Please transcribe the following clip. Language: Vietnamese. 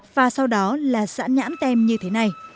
và sau đó là sẵn nhãn tem như thế này